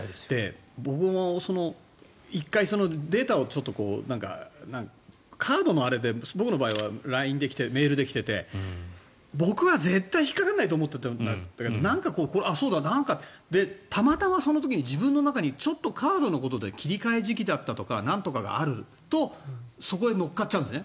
僕も１回、データをカードのあれで僕の場合はＬＩＮＥで来て、メールで来てて僕は絶対に引っかからないと思ってたけどたまたま、その時に自分の中にちょっとカードのことで切り替え時期だったとかなんとかがあるとそこへ乗っかっちゃうんですね。